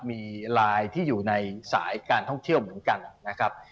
มีลายที่อยู่ในสายการท่องเที่ยวเหมือนกันนะครับ